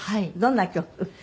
どんな曲？